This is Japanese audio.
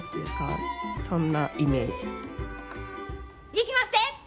いきまっせ！